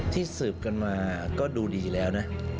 สืบกันมาก็ดูดีแล้วนะ